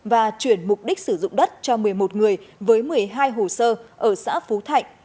và chuyển mục đích sử dụng đất cho một mươi một người với một mươi hai hồ sơ ở xã phú thạnh